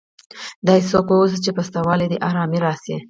داسي څوک واوسه، چي په سته والي دي ارامي راسي.